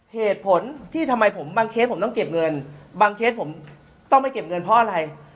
เหตุผลที่ทำไมบางเคสผมต้องเก็บเงินบางเคสผมต้องไม่เก็บเงินเพราะอะไร